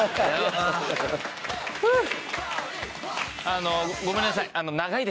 あのごめんなさい。